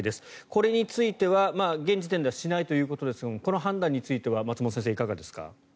これについては現時点ではしないということですがこの判断については松本先生、いかがですか。